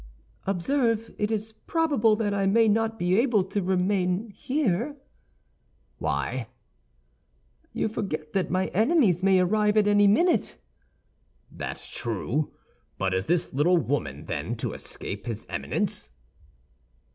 "Observe, it is probable that I may not be able to remain here." "Why?" "You forget that my enemies may arrive at any minute." "That's true; but is this little woman, then, to escape his Eminence?"